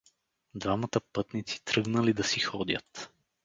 Двамата пътници тръгнали да си ходят.